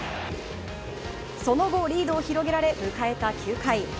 その後、リードを広げられ迎えた９回。